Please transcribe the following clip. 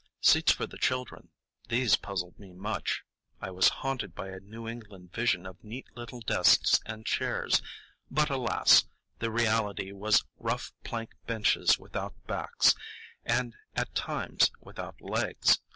Seats for the children—these puzzled me much. I was haunted by a New England vision of neat little desks and chairs, but, alas! the reality was rough plank benches without backs, and at times without legs.